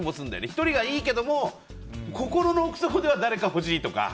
１人がいいけども、心の奥底では誰か欲しいとか。